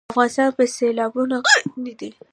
افغانستان په سیلابونه غني دی.